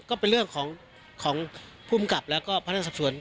ก็เป็นเรื่องของผู้มกับและพระนักศัพท์สวน